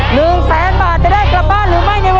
หนึ่งแสนบาทจะได้กลับบ้านในวันนี้อยู่กับโตะนี้นะคะ